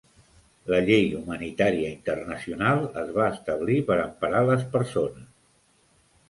La llei humanitària internacional es va establir per emparar les persones.